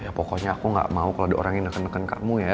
ya pokoknya aku gak mau kalau ada orang yang neken neken kamu ya